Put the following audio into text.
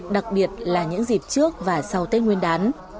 đặc biệt là những dịp trước và sau tết nguyên đán